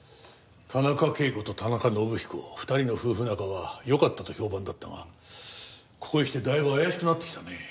田中啓子と田中伸彦２人の夫婦仲はよかったと評判だったがここへきてだいぶ怪しくなってきたねえ。